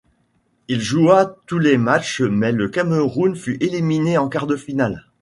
Il joua tous les matchs mais le Cameroun fut éliminé en quarts-de-finale.